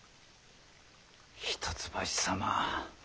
一橋様